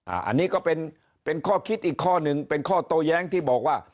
อันนี้ก็เป็นข้อคิดอีกข้อหนึ่งเป็นข้อโตแย้งที่บอกว่า